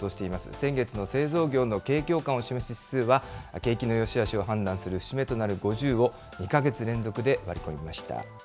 先月の製造業の景況感を示す指数は、景気のよしあしを示す節目となる５０を２か月連続で割り込みました。